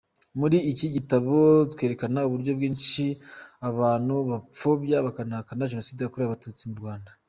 Muri iki gitabo twerekana uburyo bwinshi abantu bapfobya bakanahakana Jenosidre yakorewe Abatutsi mu Rwanda.